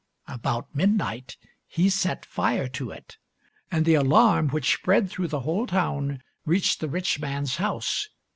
About midnight he set fire to it, and the alarm, which spread through the whole town, reached the rich man's house.